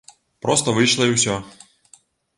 Проста выйшла і ўсё.